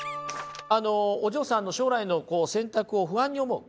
お嬢さんの将来の選択を不安に思う